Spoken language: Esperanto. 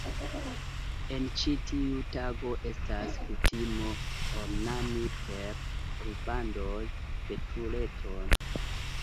En ĉi tiu tago estas kutimo ornami per rubandoj betuleton.